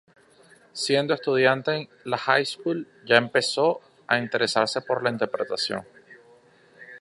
Siendo estudiante en la high school ya empezó a interesarse por la interpretación.